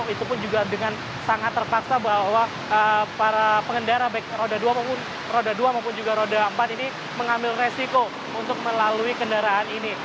itu pun juga dengan sangat terpaksa bahwa para pengendara baik roda dua maupun roda dua maupun juga roda empat ini mengambil resiko untuk melalui kendaraan ini